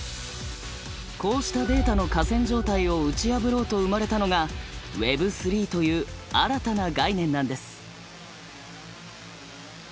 こうしたデータの寡占状態を打ち破ろうと生まれたのがＷｅｂ３という新たな概念なんです。